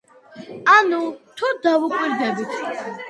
ანუ, თუ დავუკვირდებით.